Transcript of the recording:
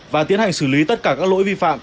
và tiến hành xử lý tất cả các lỗi vi phạm